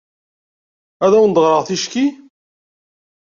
Ad awen-d-ɣreɣ ticki?